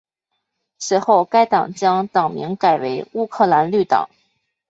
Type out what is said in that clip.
随后该党将党名改为乌克兰绿党。